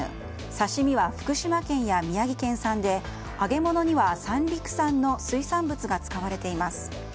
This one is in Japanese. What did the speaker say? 刺し身は福島県や宮城県産で揚げ物には三陸産の水産物が使われています。